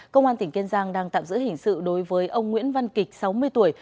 công an tỉnh kiên giang đang tạm giữ hình sự đối với ông nguyễn văn kịch sáu mươi tuổi